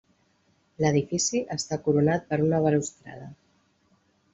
L'edifici està coronat per una balustrada.